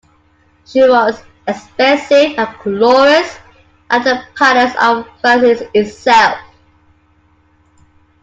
She was expensive and glorious, like the Palace of Versailles itself.